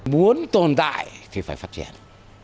muốn tồn tại thì phải phát triển